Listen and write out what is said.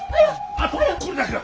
あとこれだけは。